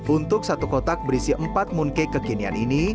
untuk satu kotak berisi empat mooncake kekinian ini